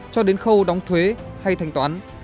cho đến khâu đóng thuế hay thanh toán